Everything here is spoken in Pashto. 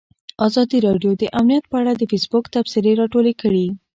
ازادي راډیو د امنیت په اړه د فیسبوک تبصرې راټولې کړي.